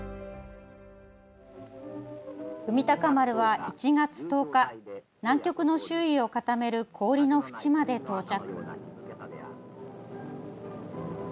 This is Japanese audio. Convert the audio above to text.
「海鷹丸」は１月１０日南極の周囲を固める氷のふちまで到着。